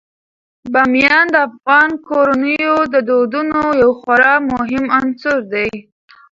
بامیان د افغان کورنیو د دودونو یو خورا مهم عنصر دی.